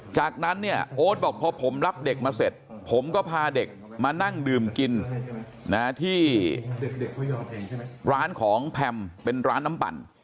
จากนั้นเนี่ยโอ๊ตบอกพอผมรับเด็กมาเสร็จผมก็พาเด็กมานั่งดื่มกินที่ร้านของแพมเป็นร้านน้ำปั่น